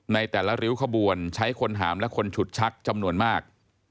ในแต่ละริ้วขบวนใช้คนหามและคนฉุดชักจำนวนมาก